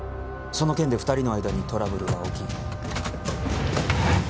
その件で２人の間にトラブルが起き。